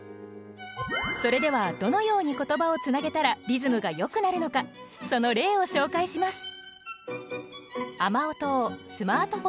それではどのように言葉をつなげたらリズムがよくなるのかその例を紹介します。